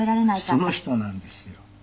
その人なんですよ。